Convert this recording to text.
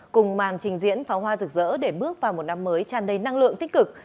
cùng màn trình diễn pháo hoa rực rỡ để bước vào một năm mới tràn đầy năng lượng tích cực